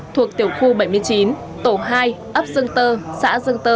thuộc tiểu khu bảy mươi chín tổ hai ấp dương tơ xã dương tơ